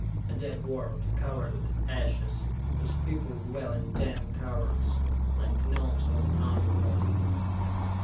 A dead world, covered with ashes, whose people dwell in dank caverns, like gnomes of the underworld...."